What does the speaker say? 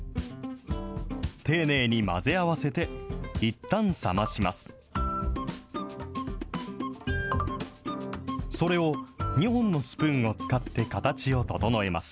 丁寧に混ぜ合わせて、いったん冷まします。